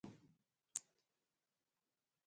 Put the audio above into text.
هغه د جادویي افکارو په ارزښت پوه شوی و